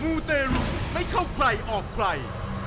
ูเตรุไม่เข้าใครออกใคร